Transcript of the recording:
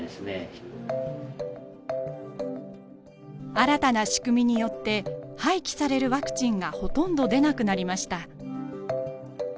新たな仕組みによって廃棄されるワクチンがほとんど出なくなりました。